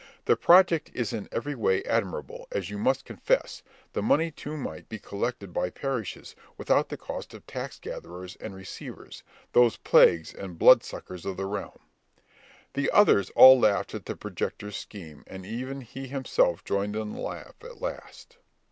The project is in every way admirable, as you must confess; the money too might be collected by parishes, without the cost of tax gatherers and receivers, those plagues and bloodsuckers of the realm." The others all laughed at the projector's scheme, and even he himself joined in the laugh at last.